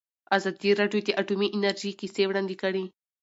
ازادي راډیو د اټومي انرژي کیسې وړاندې کړي.